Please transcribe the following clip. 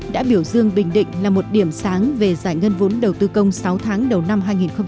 đã biểu dương bình định là một điểm sáng về giải ngân vốn đầu tư công sáu tháng đầu năm hai nghìn hai mươi